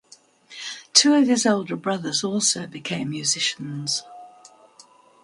Two of his older brothers also became musicians.